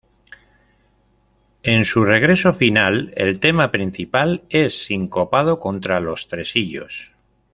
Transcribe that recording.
En su regreso final, el tema principal es sincopado contra los tresillos.